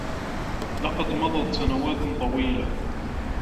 لقد مضت سنوات طويلة.